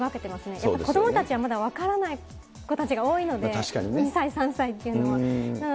やっぱり子どもたちはまだ分からない子たちが多いので、２歳、３歳というのは。